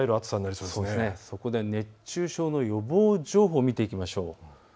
そこで熱中症の予防情報を見ていきましょう。